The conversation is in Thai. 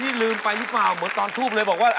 นี่ลืมไปหรือเปล่าเหมือนตอนทูบเลยบอกว่า